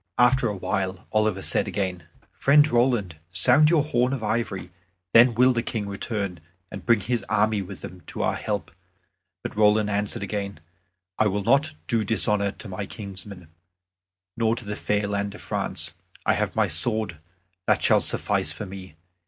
After a while, Oliver said again, "Friend Roland, sound your horn of ivory. Then will the King return, and bring his army with him, to our help." But Roland answered again, "I will not do dishonor to my kinsmen, or to the fair land of France. I have my sword; that shall suffice for me.